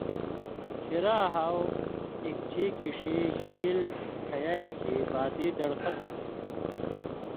ڇھیراں ہاٶ اکٹھی کِݜی گېل کھیائ کھیں بادی دڑی ختم ہوتھی۔